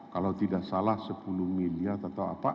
kalau tidak salah sepuluh miliar atau apa